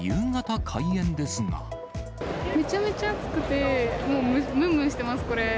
めちゃめちゃ暑くて、もうむんむんしています、これ。